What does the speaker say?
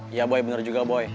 iya boy benar juga boy